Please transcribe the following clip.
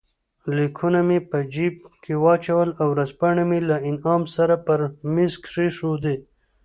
لیکونه مې په جېب کې واچول، ورځپاڼې مې له انعام سره پر مېز کښېښودې.